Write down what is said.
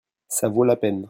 ça vaut la peine.